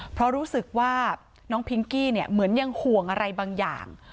เพราะรู้สึกว่าน้องพิงกี้เนี่ยเหมือนยังห่วงอะไรบางอย่าง